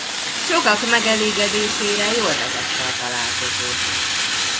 Sokak megelégedésére jól vezette a találkozót.